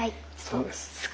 そうです。